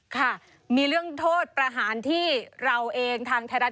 ค่ะมีเรื่องโทษประหารที่เราเองทางไทยรัฐ